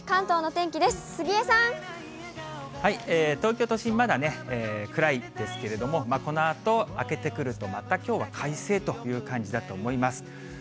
東京都心、まだね、暗いですけれども、このあと明けてくると、きょうは快晴という感じだと思います。